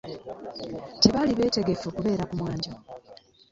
Tebaali beetegefu kubeera ku mwanjo.